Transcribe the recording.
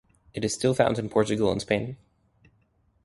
It is still found in Portugal and Spain.